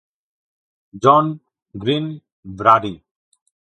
John Green ব্রাডি.